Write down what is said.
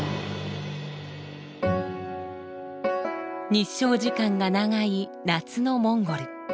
日照時間が長い夏のモンゴル。